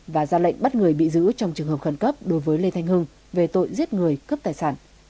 và ra lệnh bắt người bị giữ trong trường hợp khẩn cấp đối với lê thanh hưng về tội giết người cướp tài sản